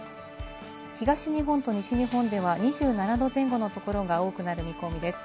東日本と西日本では２７度前後のところが多くなる見込みです。